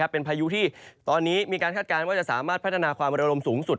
เป็นพายุที่ตอนนี้มีการคาดการณ์ว่าจะสามารถพัฒนาความระลมสูงสุด